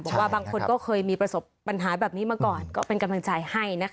บางคนก็เคยมีประสบปัญหาแบบนี้มาก่อนก็เป็นกำลังใจให้นะคะ